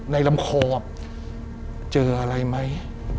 ในลำโค๊กเจออะไรไหม